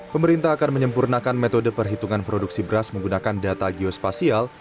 pemerintah akan menyempurnakan metode perhitungan produksi beras menggunakan data geospasial